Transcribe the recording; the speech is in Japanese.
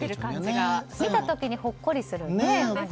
見た時にほっこりしますね。